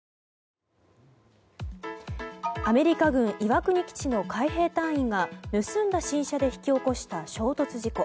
アメリカ軍岩国基地の海兵隊員が盗んだ新車で引き起こした衝突事故。